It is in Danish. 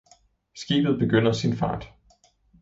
Skibet begynder sin fart.